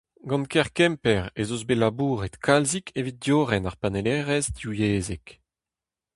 Gant kêr Kemper ez eus bet labouret kalzik evit diorren ar panellerezh divyezhek.